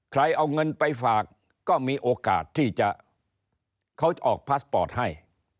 ใครเอาเงินไปฝากก็มีโอกาสที่จะเขาจะออกพาสปอร์ตให้